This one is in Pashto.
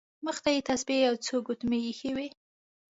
مخې ته یې تسبیح او څو ګوتمۍ ایښې وې.